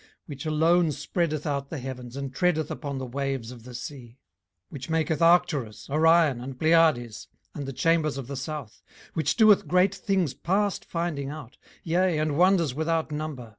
18:009:008 Which alone spreadeth out the heavens, and treadeth upon the waves of the sea. 18:009:009 Which maketh Arcturus, Orion, and Pleiades, and the chambers of the south. 18:009:010 Which doeth great things past finding out; yea, and wonders without number.